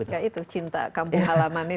ya itu cinta kampung halaman ini